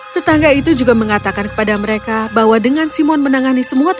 tetangga itu juga mengatakan kepada mereka bahwa dengan simon menangani semua tanah